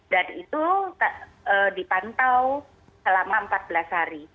dan itu dipantau selama empat belas hari